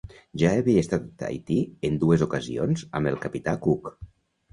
Ja havia estat a Tahití en dues ocasions amb el capità Cook.